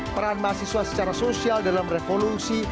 peran mahasiswa secara sosial dalam revolusi